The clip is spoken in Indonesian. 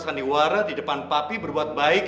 sandiwara di depan papi berbuat baik